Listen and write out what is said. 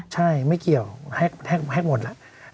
ใช่ไม่เกี่ยวแฮ็กแฮ็กแฮ็กหมดแล้ว